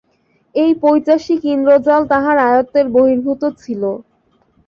এই পৈশাচিক ইন্দ্রজাল তাহার আয়ত্তের বহির্ভূত ছিল।